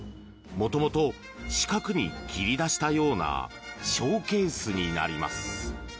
元々、四角に切り出したようなショーケースになります。